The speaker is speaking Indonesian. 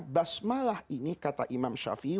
basmalah ini kata imam syafi'i